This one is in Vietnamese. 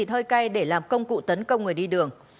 một hơi cay để làm công cụ tấn công người đi đường